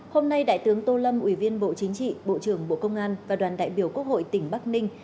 hôm nay đại tướng tô lâm ủy viên bộ chính trị bộ trưởng bộ công an và đoàn đại biểu quốc hội tỉnh bắc ninh